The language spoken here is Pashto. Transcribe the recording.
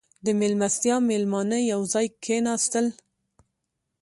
• د میلمستیا مېلمانه یو ځای کښېناستل.